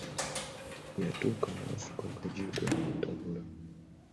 Yatuuka n'afuuka kagiiko nattabula.